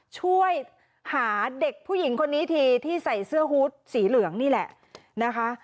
ช่วยหาเด็กผู้หญิงคนนี้ทีที่ใส่เสื้อฮูตสีเหลืองนี่แหละนะคะ